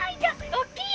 おっきい！